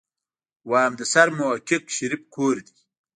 ويم د سرمحقق شريف کور دی.